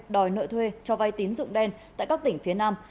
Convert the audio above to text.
đòi nợ thuê cho vay tín dụng đen tại các tỉnh phía nam